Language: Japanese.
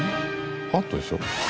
アートでしょ？